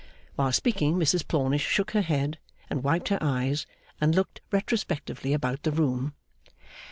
While speaking, Mrs Plornish shook her head, and wiped her eyes, and looked retrospectively about the room.